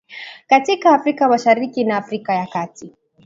katika Afrika Mashariki na Afrika ya kati